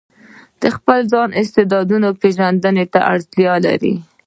د خپل ځان استعداد پېژندنې ته اړتيا لري.